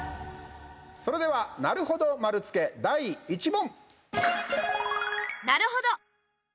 それでは、なるほど丸つけ第１問！